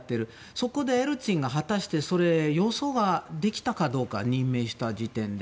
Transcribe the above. そこでエリツィンが果たして予想できたかどうか任命した時点で。